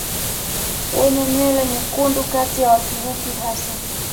wenye nywele nyekundu kati ya Waturuki Hasa